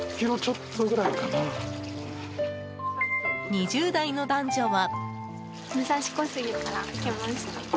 ２０代の男女は。